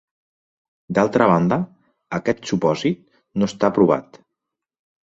D'altra banda, aquest supòsit no està aprovat.